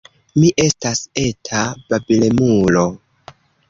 Mi estas eta babilemulo.